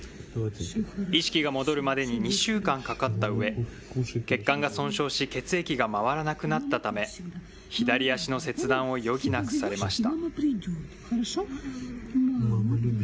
意識が戻るまでに２週間かかったうえ、血管が損傷し、血液が回らなくなったため、左足の切断を余儀なくされました。